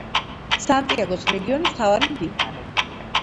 სანტიაგოს რეგიონის მთავარი მდინარე.